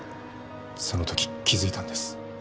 その時気づいたんです。